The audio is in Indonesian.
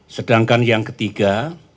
sedangkan yang ketiga